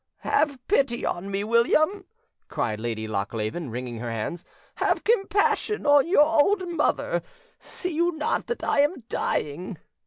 "Have pity on me, William!" cried Lady Lochleven, wringing her hands. "Have compassion o your old mother! See you not that I am dying?"